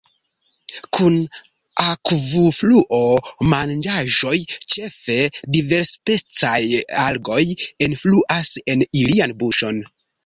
Kun akvofluo manĝaĵoj, ĉefe diversspecaj algoj, enfluas en ilian buŝon.